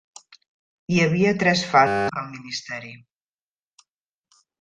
Hi havia tres fases al ministeri.